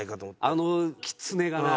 あのキツネがな！